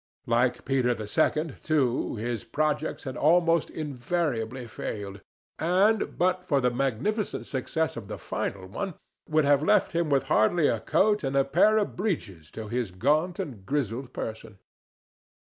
Like Peter the second, too, his projects had almost invariably failed, and, but for the magnificent success of the final one, would have left him with hardly a coat and pair of breeches to his gaunt and grizzled person.